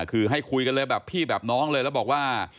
คือให้คุยกันเลยแบบพี่แบบน้องเลยแล้วบอกว่า